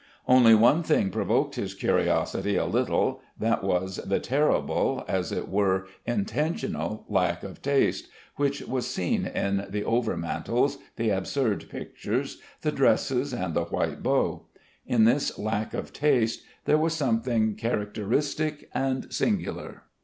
Only one thing provoked his curiosity a little, that was the terrible, as it were intentional lack of taste, which was seen in the overmantels, the absurd pictures, the dresses and the White bow. In this lack of taste there was something characteristic and singular.